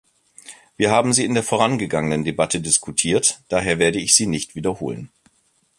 Wir haben sie in der vorangegangenen Debatte diskutiert, daher werde ich sie nicht wiederholen.